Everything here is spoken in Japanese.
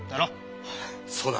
そうだ！